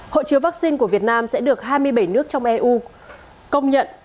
hộ chiếu vaccine của việt nam sẽ được hai mươi bảy nước trong eu công nhận